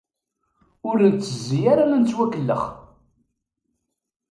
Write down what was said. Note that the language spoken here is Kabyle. Ur nettezzi ara ad nettwakellex.